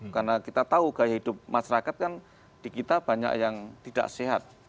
karena kita tahu gaya hidup masyarakat kan di kita banyak yang tidak sehat